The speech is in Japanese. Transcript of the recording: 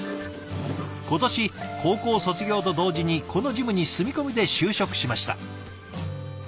今年高校卒業と同時にこのジムに住み込みで就職しました。